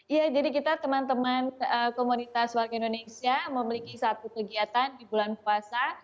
iya jadi kita teman teman komunitas warga indonesia memiliki satu kegiatan di bulan puasa